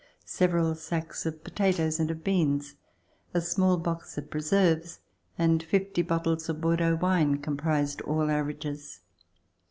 Several sacks of potatoes and of beans, a small box of pre serves and fifty bottles of Bordeaux wine comprised all our riches.